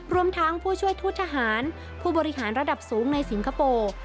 รวมทั้งผู้ช่วยทูตทหารผู้บริหารระดับสูงในสิงคโปร์